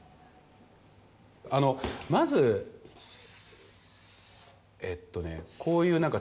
あのまずえっとねこういう。